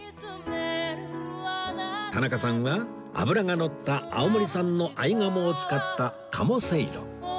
田中さんは脂がのった青森産の合鴨を使った鴨せいろ